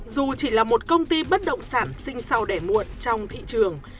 dù chỉ là một công ty bất động sản sinh sau để muộn trong thị trường